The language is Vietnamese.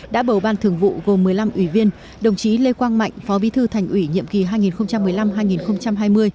đã bầu ban thường vụ gồm một mươi năm ủy viên đồng chí lê quang mạnh phó bí thư thành ủy nhiệm kỳ hai nghìn một mươi năm hai nghìn hai mươi